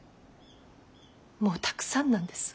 もうたくさんなんです。